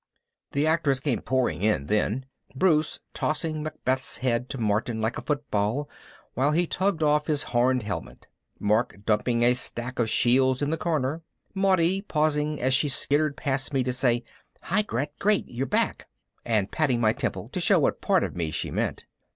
The actors came pouring in then, Bruce tossing Macbeth's head to Martin like a football while he tugged off his horned helmet, Mark dumping a stack of shields in the corner, Maudie pausing as she skittered past me to say, "Hi Gret, great you're back," and patting my temple to show what part of me she meant.